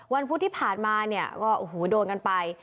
วันพุธที่ผ่านมาเนี่ยก็โดนกันไป